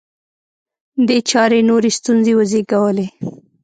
دې چارې نورې ستونزې وزېږولې